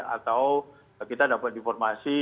atau kita dapat informasi